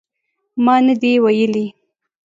ما نه دي ویلي